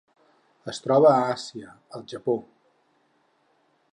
Es troba a Àsia: el Japó.